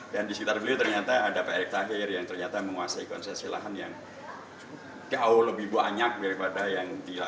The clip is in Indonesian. dan di sekitar beliau ternyata ada pak erick tahir yang ternyata menguasai konsesi lahan yang jauh lebih banyak daripada yang di